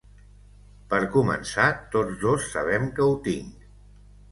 Per començar, tots dos sabem que ho tinc.